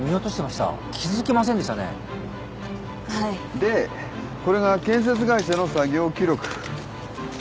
でこれが建設会社の作業記録。